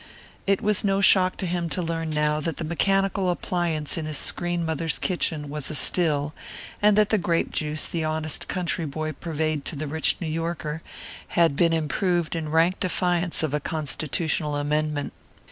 It was no shock to him to learn now that the mechanical appliance in his screen mother's kitchen was a still, and that the grape juice the honest country boy purveyed to the rich New Yorker had been improved in rank defiance of a constitutional amendment.